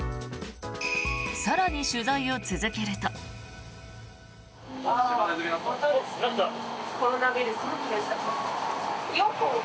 更に取材を続けると。